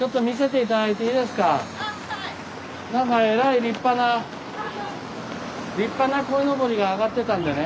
何か偉い立派な立派なこいのぼりがあがってたんでね。